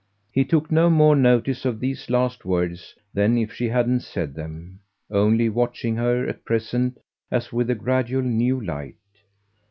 He took no more notice of these last words than if she hadn't said them, only watching her at present as with a gradual new light.